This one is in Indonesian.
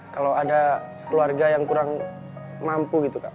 kalau ada keluarga yang kurang mampu gitu kak